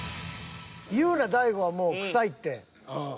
言うな大悟はもう「クサい」って。